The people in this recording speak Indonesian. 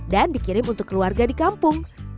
dan dikirim untuk keluarga di kampung